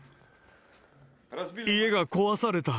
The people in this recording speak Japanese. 家が壊された。